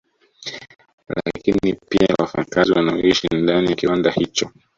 Lakini pia kwa wafanyakazi wanaoishi ndani ya kiwanda hicho